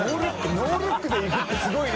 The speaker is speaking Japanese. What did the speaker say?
ノールックでいくってすごいね。